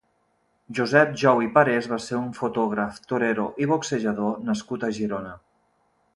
Josep Jou i Parés va ser un fotògraf, torero i boxejador nascut a Girona.